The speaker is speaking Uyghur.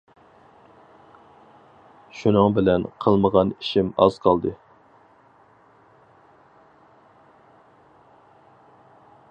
شۇنىڭ بىلەن قىلمىغان ئىشىم ئاز قالدى.